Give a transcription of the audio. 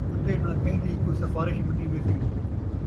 اَتے نہ کہیں دِی کوئی سفارِش مَنّی ویسی،